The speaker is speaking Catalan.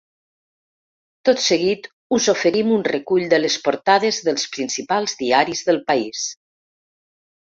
Tot seguit, us oferim un recull de les portades dels principals diaris del país.